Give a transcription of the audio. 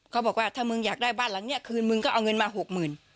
เขาบอกว่าถ้ามึงอยากได้บ้านหลังนี้คืนมึงก็เอาเงินมาหกหมื่น